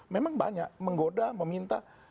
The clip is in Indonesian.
memang banyak menggoda meminta